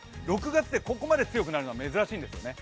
６月でここまで強くなるのは珍しいんですよね。